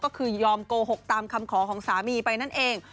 ก็คือยอมโกหกตามคำขอของสามีไปนั่นเอง